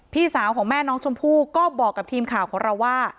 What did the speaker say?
พี่สาวของแม่น้องชมพู่ก็บอกกับทีมข่าวของเราว่า